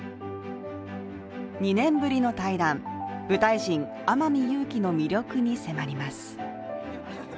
２年ぶりの対談、舞台人・天海祐希の魅力に迫ります。